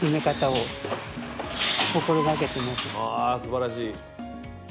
あすばらしい！